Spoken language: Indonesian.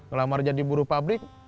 kemarah berhar prophet deh